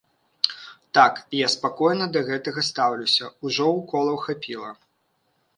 Так, я спакойна да гэтага стаўлюся, ужо уколаў хапіла.